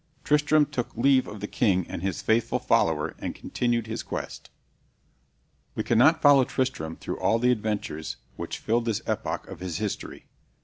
Tristram took leave of the king and his faithful follower, and continued his quest. We cannot follow Tristram through all the adventures which filled this epoch of his history.